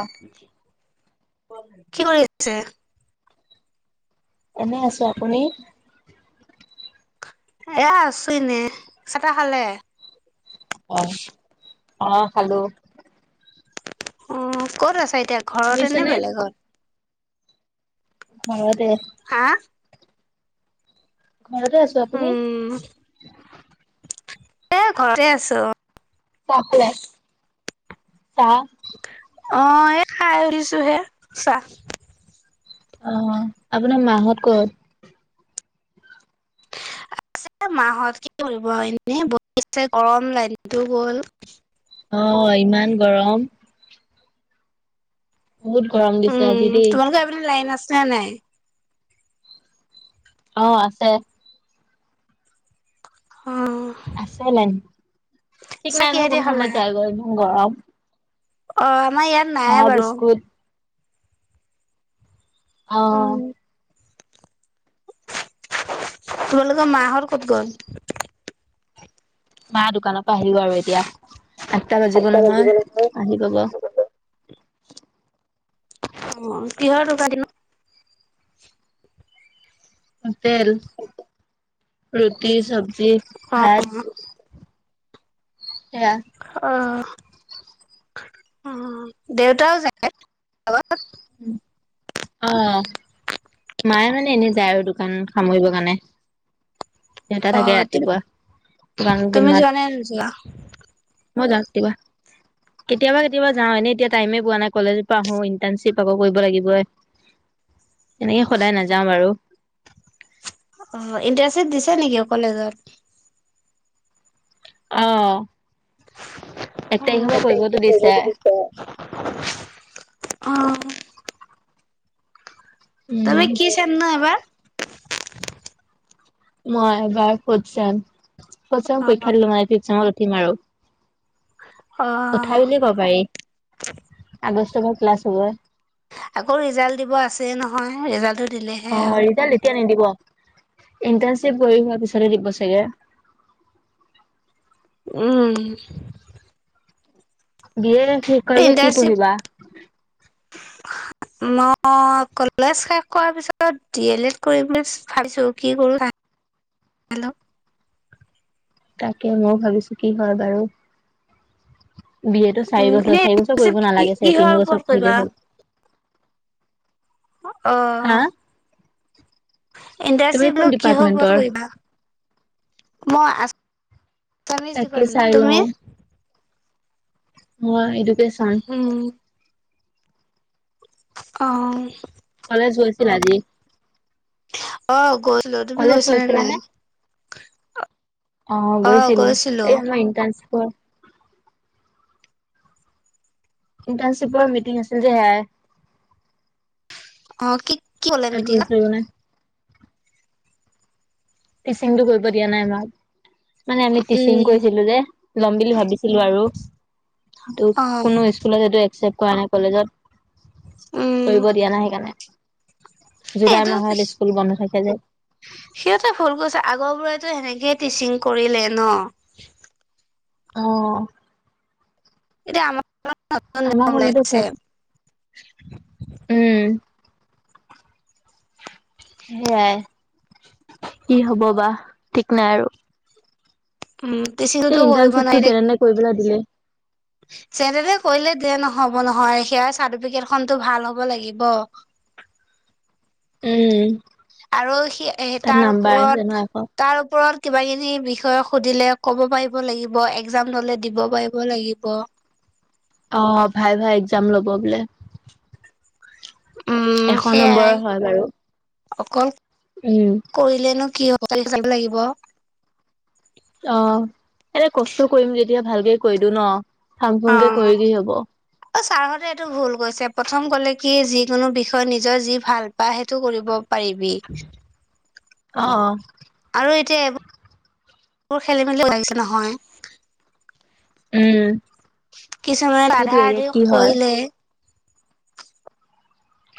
অ', এনেই আছো আপুনি? এয়া আছো এনে চাহ খালে অ অ খালো, অ' ক'ত আছা এতিয়া ঘৰতে নে শুনিছেনে? বেলেগত। অ', দে হা? ঘৰতে আছো আপুনি? উম, এ ঘৰতে আছো। চাপ্লাই চা অ' এই খাই উঠিছো হে চাহ। অ' আপোনাৰ মাহত কত? [unintelligible] মাহত কি কৰিব এনে বি গৰম লাইনটো গ'ল অ' ইমান গৰম বহুত গৰম দিছে আজি দেই আছা নাই। অ' আছে। অ', আছে নাই ঠিক চাহ নাই নহয় কিহেদি কোনো খালা? সময়ত যায়গৈ ইমান গৰম। অ' আমাৰ ইয়াত চাহ নাই বাৰু। বিস্কুট অ উম, তোমালোকৰ মাহৰ ক'ত গ'ল? মা, দোকানৰ পৰা আহিব আৰু এতিয়া আঠটা বাজিব নহয় আহি পাব অ', কিহৰ [unintelligible] তেল ৰুটি চব্জি অ', ভাত, সেয়া, অ', অ', দেউতাও জানে অ', মায়ে মানে এনে যায় আৰু দোকান সামৰিবৰ কাৰণে দেউতা থাকে অ', তুমি ৰাতিপুৱা দান তুমি মাত যোৱা নাই নোযোৱা মই জানো কিবা কেতিয়াবা-কেতিয়াবা যাওঁ এতিয়া টাইম এ পোৱা নাই কলেজৰ পৰা আহোঁ ইণ্টাৰচিপ, পাব কৰিব লাগিবই। এনেকে সদায় নাযাওঁ আৰু। ছে নেকি কলেজত অহ, ক ধত দিছে [unintelligible] অ', তাৰমানে উম কি চাম ন এবাৰ। মই এবাৰ ফৰত চেম ফৰ'ত অ ছেম ত পৰীক্ষাদিলো মই ফিফ চেমত উঠিম আৰু। অ উঠাই বুলিয়ে ক'ব পাৰি আগষ্ট ক্লাছ হব। আকৌ ৰিজাল্ট দিব আছে নহয় ৰিজাল্ট। অ', এৰি জাল এতিয়া নিদিব ইন্টাৰ্ণশ্বিপ কৰিহোৱাৰ পিছত হে দিব চাগে? উম, বিয়েৰ শেষ কৰি কি ইণ্টাৰ্ণশ্বিপ পঢ়িবা। মই কলেজ শেষ কৰাৰ পিছত ডি এল এড কৰিম বুলি ভাবিছোঁ কি কৰো তাকে। হেল্ল', তাকে ময় ভাবিছো কি হয় বাৰু। বি এ চাৰি উম এনে বছৰ চাৰি বছৰ ইণ্টাৰ্ণশ্বিপ কৰিব কি নালাগে চা কিহৰ তিন ওপৰত বছৰ কৰিবা কৰিলে হ'ল হা অহ, তুমি ইণ্টাৰচিপ কোন লোক কিহৰ ডিপাৰ্টমেন্টৰ পৰত কৰিবা মই আ চাইন্স তাকে ডিপাৰ্টমেণ্ট চাই তুমি? লওঁ মই এইটো উম, আহ, কলেজ গৈছিল আজি? অ' গৈছিলোঁ। তুমি কলেজ গৈছিলা নে নাই? গৈছিলানে অ' গৈছিলো। এই আমাৰ ইন্টাৰ্নশ্বিপৰ ইণ্টাৰ্ণশিপৰ মিটিং আছিল যে সেইয়াই। অ', কি কি ক'লে তাত মিতিঙত। গৈছিলো মানে টিচিংটো কৰিব দিয়া নাই আমাক। মানে আমি টিচিং উম কৰিছিলো যে ল'ম বুলি ভাবিছিলো আৰু। টো অ কোনো স্কুলত সেটো একচেপ কৰা নাই কলেজত কৰিব দিয়া নাই সেইকাৰণে। জুলাই সেইটো, মাহত স্কুল বন্ধ থাকে যে সিহঁতে ভুল কৈছা। আগৰ বোৰেতো সেনেকেই টিচিং কৰিলে ন? অ', এতিয়া আমাৰ আমাৰ নিয়ম সময়তে ওলাইছে চব। উম সেয়াই কি হব বা ঠিক নাই আৰু। উম টিচিংটো এই ইণ্টাৰ্ণ কৰিব চিটটো নোৱাৰিলে যেনে তেনে কৰিপেলাই দিলে হ'ব নহয় সেয়া চাৰ্টিফিকেট খনটো ভাল হ'ব লাগিব। উম। আৰু সি সেই তাত তাৰ নাম্বাৰ আছে ন ওপৰত, এশ তাৰ ওপৰত। কিবা কিবি বিষয় সুধিলে ক'ব পাৰিব লাগিব একজাম ললে দিব পাৰিব লাগিব। অ', ভাইভা একজাম ল'ব বোলে। উম এশ নম্বৰ সেয়াই হয় বাৰু। অকল উম কৰিলেনো কি হব কালি যাব লাগিব। অ'। এনে কষ্ট কৰিম যেতিয়া ভালকে কৰি দিওঁ ন, ফাং-ফুংকে কৰি কি হ'ব? অ', ছাৰহঁতে এইটো ভুল কৈছে, প্ৰথম কলে কি যিকোনো বিষয়ে নিজৰ যি ভাল পায় সেইটো কৰিব। পাৰিবি। অ', অ', আৰু এতিয়া এইবোৰ খেলি মেলি লাগিছে নহয়। উম কিছুমানে আধা সেইটোয়ে এতিয়া আধিও কি হয় কৰিলে।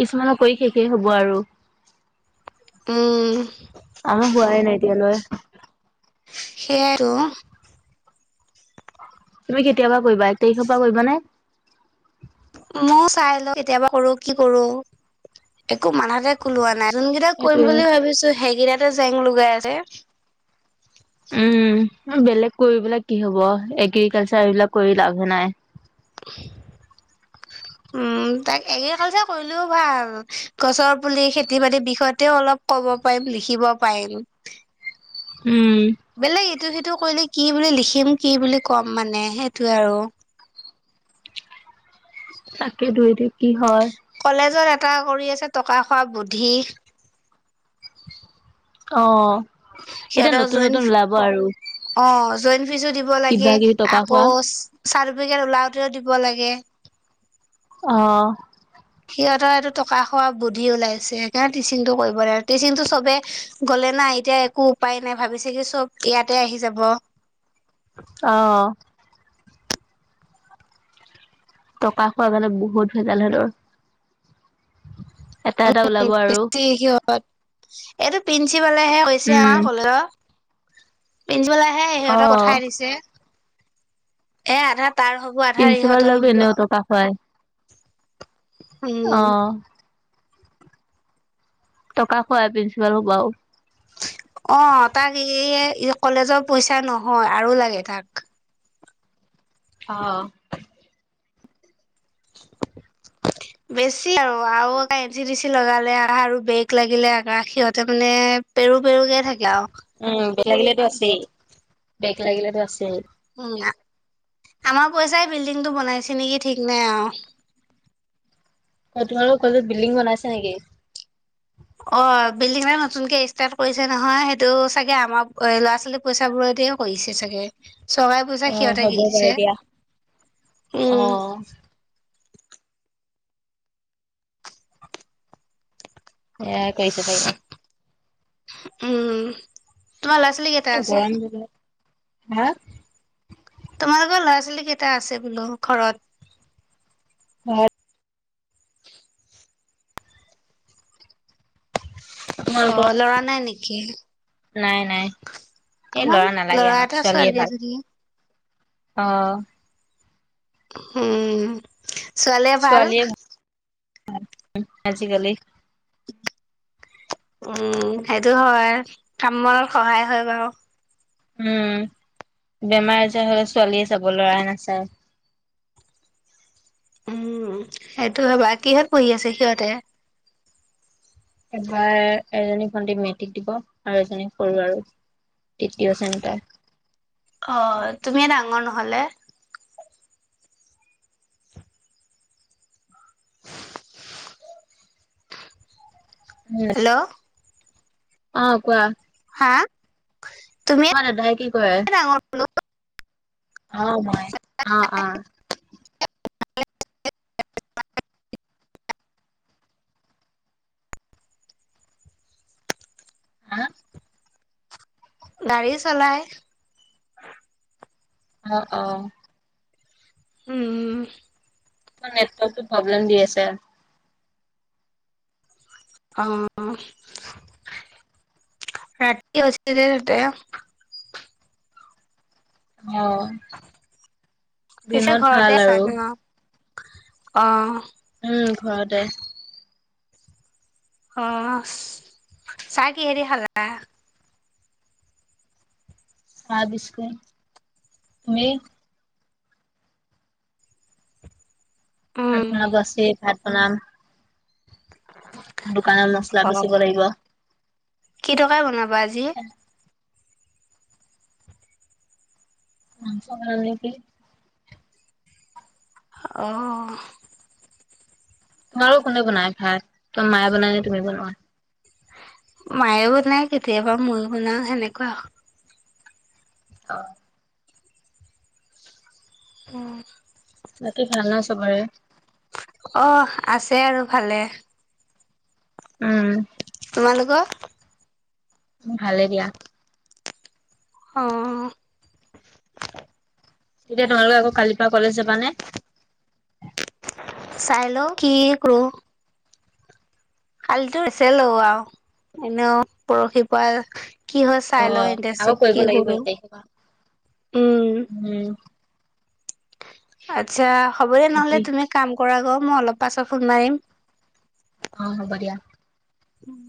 কিছুমানৰ কৰি শেষেই হব আৰু। উম। আমাৰ হোৱাই নাই এতিয়ালৈ। সেয়াইটো তুমি কেতিয়াপা কৰিবা এক তাৰিখৰ পৰা কৰিবা নে? মই চাই লও কেতিয়াবা কৰো কি কৰো একো মাথাতে কোলোৱা নাই। যোন কেইটা কৰিম সেইটোৱে। বুলি ভাবিছো সেই কেইটাতে জেং লগাই যে কৰিবলে কি হব এগ্ৰিকালচাৰ এইবিলাক কৰি লাভে নাই। উ। উম তাক এগ্ৰিকালচাৰ কৰিলেও ভাল গছৰ পুলি খেতি বাতিৰ বিষয় তেও অলপ কব। পাৰিম লিখিব শিকিব পাৰিম। উম বেলেগ ইটো সিটো কৰিলে কি বুলি লিখিম কি বুলি কম মানে সেইটোয়ে আৰু। তাকে তো এতিয়া কি হয়। কলেজত এটা কৰি আছে টকা খোৱা বুদ্ধি, অ এতিয়া সিহঁতৰ নতুন জইন নতুন ওলাব আৰু, অ জইণ্ট ফিজো দিব লাগে কিবা কিবি টকা আকৌ খোৱা। চাৰ, বিযাও ওলাওঁতেও দিব লাগে। অহ সিহঁতৰ এইটো টকা খোৱা বুদ্ধি ওলাইছে সেইকাৰণে টিচিংটো কৰিব দিয়া নাই আৰু টিচিংটো চবে গ'লে ন, নাই এতিয়া একো উপায় নাই ভাবিছিলোঁ চ'ব ইয়াতে আহি যাব। আহ। টকা খোৱা গান বহুত ভেজাল হেহতঁৰ এটা এটা ওলাব আৰু এইটো প্ৰিঞ্চিপালেহে কৈছে উম, আমাৰ কলেজত প্ৰিঞ্চিপালে। এই সিহঁতৰ অ', পঠাই দিছে এ আধাত তাৰ হ'ব আধা, প্ৰিন্সিপাল ইহঁতৰ দালটো হ'ব এনেও আৰু টকা অহ'। টকা খোৱা আ' প্ৰিন্সিপাল বাৰু। অ, তাক এই-এইয়ে কলেজৰ পইচা নহয় আৰু লাগে তাক। অ', [unintelligible] বেছি আৰু-আৰু আকা এঞ্চি যি চি লগালে আৰু বেগ লাগিলে আকা সিহতে মানে এ পেৰু-পেৰু থাকে আৰু। উম, বেক লাগিলেতো আছেই -বেক লাগিলেতো আছেই। আমাৰ পইচাই বিল্ডিংটো বনাইছে নেকি ঠিক নাই আৰু। অ, তোমালোকৰ কলেজত বিল্ডিং বনাইছে নেকি? অ, বিল্ডিং এটা নতুনকে ষ্টাৰ্ট কৰিছে নহয় সেইটো চাগে আমাৰ ল'ৰা-ছোৱালী পইচা বোৰত অ, তেওঁ কৰিছে চাগে। চৰকাৰৰ পইচা অ', সিহঁতে হ'ব পাৰে গেলিছে দিয়া। উম। অ', সেয়াই কৰিছে চাগে। উম, তোমাৰ ল'ৰা-ছোৱালী কেইটা আছে? গৰম দিনত হা? তোমালোকৰ ল'ৰা-ছোৱালী কেইটা আছে বোলো ঘৰত? [unintelligible] অ তোমালোকৰ ল'ৰা নাই নেকি নাই-নাই। এই আমাৰ ল'ৰা নালাগে আমাক এটা ছোৱালীয়ে ছোৱালী ভাল এজনী অ, হম, ছোৱালীয়ে ভাল। [unintelligible] আজিকালি উম, সেইটো হয় কাম বনত সহায় হয় বাৰু। উম, বেমাৰ আজাৰ হ'লে ছোৱালীয়ে যাব লৰাই নাচায়। উ [unintelligible] উম, সেইটো হবা কিহত পঢ়ি আছে সিহঁতে? এবাৰ এজনী ভণ্টি মেট্ৰিক দিব আৰু এজনী সৰু আৰু তৃতীয় শ্ৰেণী তাই। অ তুমিয়ে ডাঙৰ নহ'লে? হেল্ল'। অহ কোৱা? হা? তুমিয়ে তোমাৰ দাদাই কি কৰে? ডাঙৰ বোলো অ, মই অ, অ। হা? গাড়ী চলাই। অ, অ। হুম। নেটৱৰ্কটো প্ৰব্লেম দি আছে। অ অ। ৰাতি হৈছিল যে তেয় অ পিছে দিনত ভাল ঘৰতে আছা আৰু ন? অ। উম, ঘৰতে। অ ছা কিহে দি খালা! ভাবিছোঁ হে, তুমি? উম ভাত বনাব আছে, ভাত বনাম। আকৌ দোকানত মছলা অ বচিব লাগিব, কি টকাই বনাবা আজি মাংস হ'ল নেকি? অ', তোমাৰো কোনে বনাই ভাত, তোমাৰ মায়ে বনাই নে তুমি বনোৱা? মায়ে বনায়, কেতিয়াবা মইয়ো বনাওঁ, সেনেকুৱা। অ', উম, বাকী ভাল ন' সবৰে? অ', আছে আৰু ভালে। উম, তোমালোকৰ? ভালে দিয়া। অ'। এতিয়া তোমালোকে আকৌ কালিৰ পৰা কলেজ যাবা নে? চাই লওঁ, কি কৰোঁ। কালিতো [inaudible] ছিলো আও। এনেও পৰহিৰ পৰা কি হয় চাই লও অ', আকৌ ইণ্টাৰ্ণচিপ কৰিব কি লাগিব কৰোঁ, এক তাৰিখৰ পৰা। উম, আচ্ছা, হ'ব দে নহলে, ভাবি তুমি কাম কৰাগৈ। মই অলপ পাছত ফোন মাৰিম। অ', হ'ব দিয়া। উম,